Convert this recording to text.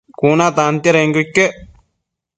Cuna tantiadenquio iquec